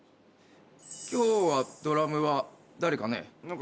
今日はドラムは誰かね。